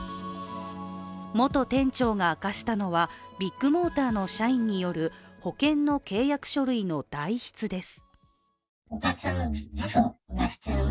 元店長が明かしたのはビッグモーターの社員による保険の契約書類の代筆です。